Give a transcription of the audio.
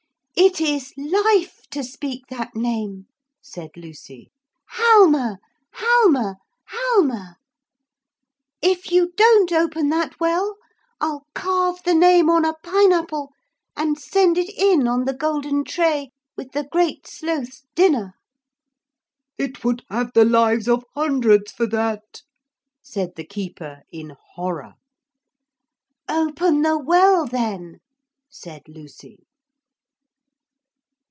'It is life to speak that name,' said Lucy. 'Halma! Halma! Halma! If you don't open that well I'll carve the name on a pine apple and send it in on the golden tray with the Great Sloth's dinner.' 'It would have the lives of hundreds for that,' said the keeper in horror. 'Open the well then,' said Lucy.